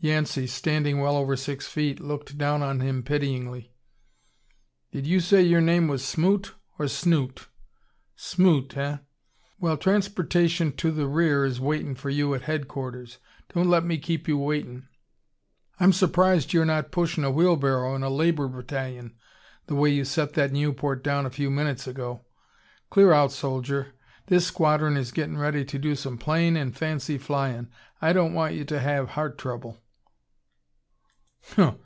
Yancey, standing well over six feet, looked down on him pityingly. "Did you say your name was Smoot, or Snoot? Smoot, eh. Well, transportation to the rear is waitin' for you at headquarters. Don't let me keep you waitin'. I'm surprised you're not pushin' a wheelbarrow in a labor battalion, the way you set that Nieuport down a few minutes ago. Clear out, soldier! This squadron is gettin' ready to do some plain and fancy flyin'. I don't want you to have heart trouble."